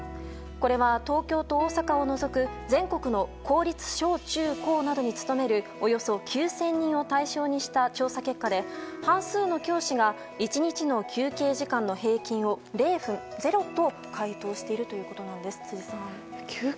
これは東京と大阪を除く全国の公立小中高などに勤めるおよそ９０００人を対象にした調査結果で半数の教師が１日の休憩時間の平均を０分と回答しているということです。